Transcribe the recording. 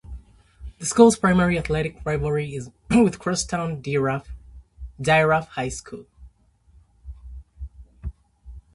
The school's primary athletic rivalry is with cross-town Dieruff High School.